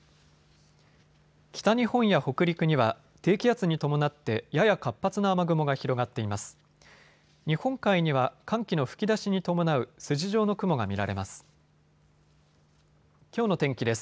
北日本や北陸には低気圧に伴ってやや活発な雨雲が広がっています。